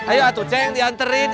ayo atuh cie yang dianterin